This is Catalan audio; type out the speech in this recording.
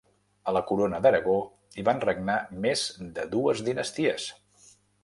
A la Corona d'Aragó hi van regnar més de dues dinasties